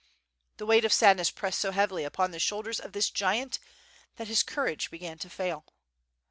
The weight of sadness pressed so heavily upon the shoul ders of this giant that his courage began to fail.